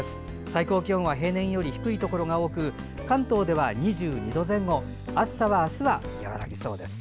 最高気温は平年より低いところが多く関東では２２度前後暑さはあすは和らぎそうです。